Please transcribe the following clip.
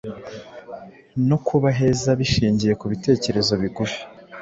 no kubaheza bishingiye ku bitekerezo bigufi.